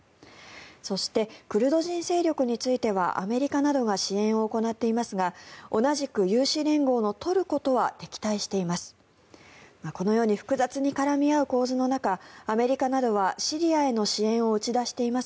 そして、クルド人勢力についてはアメリカなどが支援を行っていますが同じく有志連合のトルコとは敵対しています。